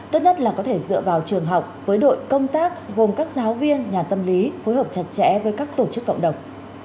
tốt nhất là có thể dựa vào trường học với đội công tác gồm các giáo viên nhà tâm lý phối hợp chặt chẽ với các tổ chức cộng đồng